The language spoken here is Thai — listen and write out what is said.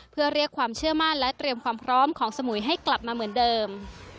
เพื่อเรียกความเชื่อมั่นและเตรียมความพร้อมของสมุยให้กลับมาเหมือนเดิม